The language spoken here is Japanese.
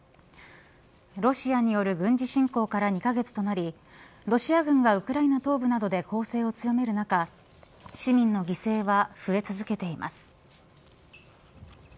ロシアによる軍事侵攻から２カ月となりロシア軍がウクライナ東部などで攻勢を強める中市民の犠牲は増え続けています。